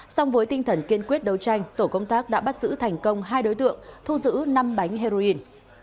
song với tinh thần kiên quyết đấu tranh tổ công tác đã bắt giữ thành công hai đối tượng thu giữ năm bánh heroin